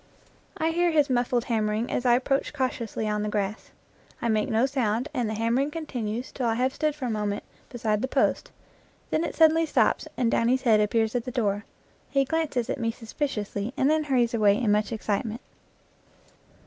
I hear his muffled hammering as I approach cautiously on the grass. I make no sound and the hammering continues till I have stood for a moment beside the 87 IN FIELD AND WOOD post, then it suddenly stops and Downy's head ap pears at the door . He glances at me suspiciously and then hurries away in much excitement.